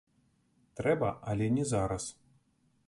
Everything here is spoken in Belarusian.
Трэба, але не зараз.